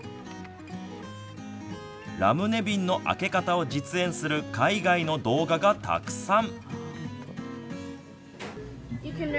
ラムネ瓶の開け方を実演する海外の動画がたくさん。